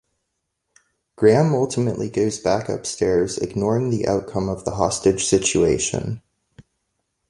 Graham ultimately goes back upstairs, ignoring the outcome of the hostage situation.